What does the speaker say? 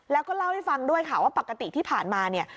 แล้วก็เล่าให้ฟังด้วยค่ะว่าปกติที่ผ่านมาเนี่ย